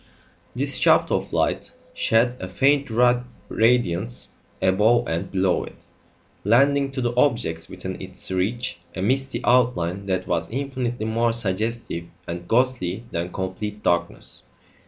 This shaft of light shed a faint radiance above and below it, lending to the objects within its reach a misty outline that was infinitely more suggestive and ghostly than complete darkness.